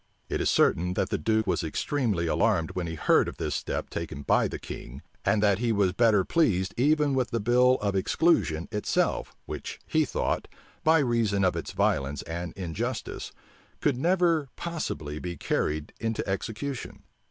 It is certain, that the duke was extremely alarmed when he heard of this step taken by the king, and that he was better pleased even with the bill of exclusion itself, which, he thought, by reason of its violence and injustice, could never possibly be carried into execution.